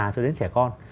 cho đến trẻ con